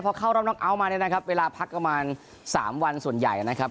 พอเข้ารอบน็กเอาท์มาเนี่ยนะครับเวลาพักประมาณ๓วันส่วนใหญ่นะครับ